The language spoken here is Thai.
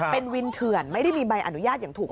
เป็นวินถื่นไม่ได้มีใบอนุญาตถูก